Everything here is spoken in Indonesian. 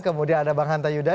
kemudian ada bang hanta yuda